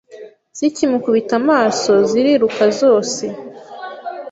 Zikimukubita amaso ziriruka zose